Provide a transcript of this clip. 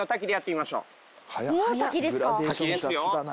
滝ですよ。